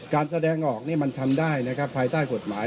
การแสดงออกมันทำได้ภายใต้กฎหมาย